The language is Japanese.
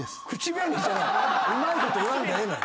うまいこと言わんでええねん。